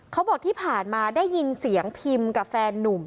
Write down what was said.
เขาบอกที่ผ่านมาได้ยินเสียงพิมกับแฟนนุ่ม